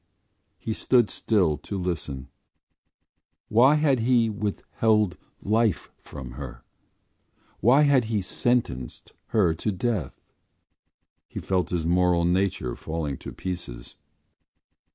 He stood still to listen. Why had he withheld life from her? Why had he sentenced her to death? He felt his moral nature falling to pieces.